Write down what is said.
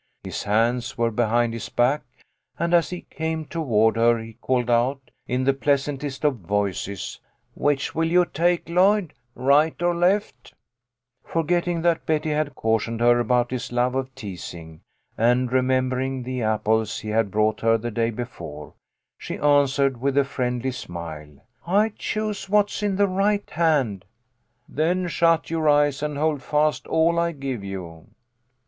His hands were behind his back, and as he came toward her he called out, in the pleasantest of voices, " Which will you take, Lloyd, right or left ?" Forgetting that Betty had cautioned her about his love of teasing, and remembering the apples he had brought her the day before, she answered, with a friendly smile, " I choose what's in the right hand." "Then shut your eyes, and hold fast all I give you."